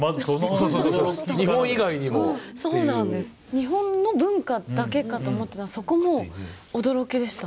日本の文化だけかと思ってたのでそこも驚きでした。